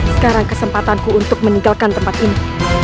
sekarang kesempatanku untuk meninggalkan tempat ini